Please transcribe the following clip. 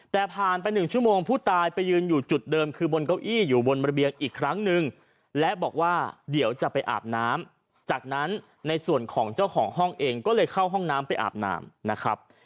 แต่ผ่านไป๑ชั่วโมงผู้ตายไปยืนอยู่จุดเดิมคือบนเก้าอี้อยู่บนระเบียงอีกครั้งนึงและบอกว่าเดี๋ยวจะไปอาบน้ำจากนั้นในส่วนของเจ้าของห้องเองก็เลยเข้าห้องน้ำไปอาบน้ำนะครับ